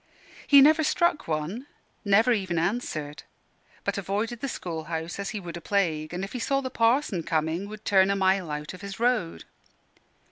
He never struck one; never even answered; but avoided the school house as he would a plague; and if he saw the Parson coming would turn a mile out of his road.